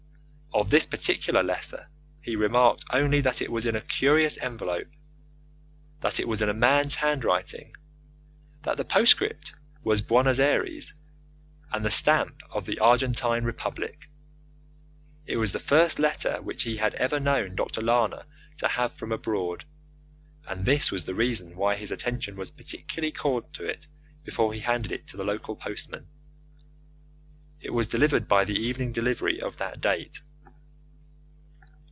Of this particular letter he remarked only that it was in a curious envelope, that it was in a man's handwriting, that the postscript was Buenos Ayres, and the stamp of the Argentine Republic. It was the first letter which he had ever known Dr. Lana to have from abroad and this was the reason why his attention was particularly called to it before he handed it to the local postman. It was delivered by the evening delivery of that date.